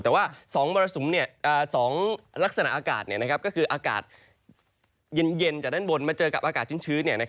แต่ว่า๒มรสุม๒ลักษณะอากาศก็คืออากาศเย็นจากด้านบนมาเจอกับอากาศชื้น